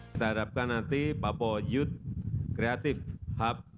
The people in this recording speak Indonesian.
kita harapkan nanti papua youth creative hub